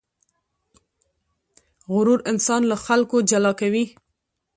غرور انسان له خلکو جلا کوي.